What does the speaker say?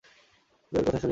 তুই ওর কথা শুনিস না।